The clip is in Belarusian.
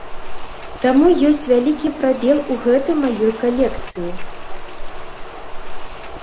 Таму ёсць вялікі прабел у гэтай маёй калекцыі.